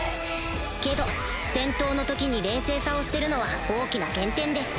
けど戦闘の時に冷静さを捨てるのは大きな減点です